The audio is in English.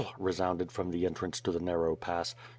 resounded from the entrance to the nar row pass.